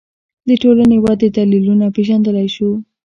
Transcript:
د ټولنې ودې دلیلونه پېژندلی شو